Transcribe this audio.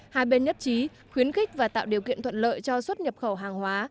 hai bên nhất trí khuyến khích và tạo điều kiện thuận lợi cho xuất nhập khẩu hàng hóa